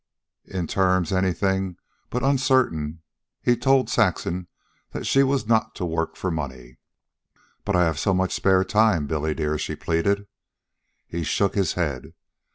In terms anything but uncertain he told Saxon that she was not to work for money. "But I have so much spare time, Billy, dear," she pleaded. He shook his head.